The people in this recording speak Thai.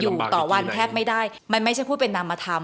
อยู่ต่อวันแทบไม่ได้มันไม่ใช่ผู้เป็นนามธรรม